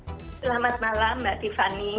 selamat malam mbak tiffany